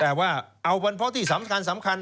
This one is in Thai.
แต่ว่าเอาบรรพาที่สำคัญ